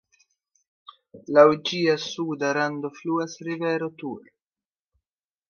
Laŭ ĝia suda rando fluas rivero Tur.